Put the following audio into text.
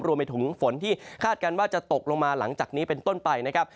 รวมไปถึงฝนที่คาดการณ์ว่าจะตกลงมาหลังจากนี้เป็นต้นไปนะครับ